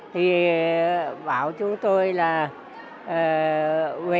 thì bảo chúng tôi là về